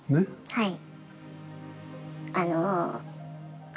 はい。